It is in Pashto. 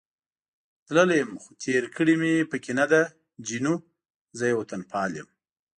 تللی یم، خو تېر کړې مې پکې نه ده، جینو: زه یو وطنپال یم.